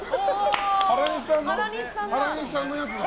原西さんのやつだ。